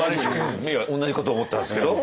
今同じこと思ったんですけど。